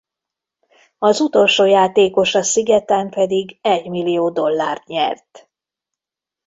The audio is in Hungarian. Az utolsó játékos a szigeten pedig egymillió dollárt nyert.